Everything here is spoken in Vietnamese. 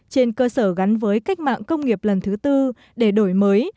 trên cơ sở gắn với cách mạng công nghiệp lần thứ tư để đổi mới